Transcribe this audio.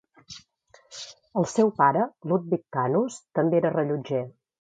El seu pare, Ludwig Kanus, també era rellotger.